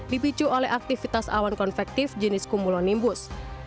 dipicu oleh aktivitas awan konvektif jenis kumulonimbus